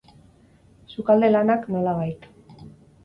Sukalde lanak, nolabait.